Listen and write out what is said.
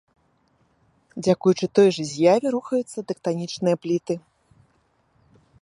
Дзякуючы той жа з'яве рухаюцца тэктанічныя пліты.